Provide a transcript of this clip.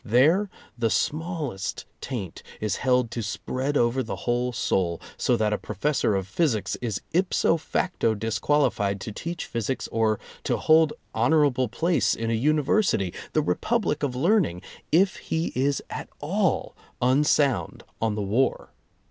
There the smallest taint is held to spread over the whole soul, so that a pro fessor of physics is ipso facto disqualified to teach physics or to hold honorable place in a university — the republic of learning — if he is at all un sound on the war.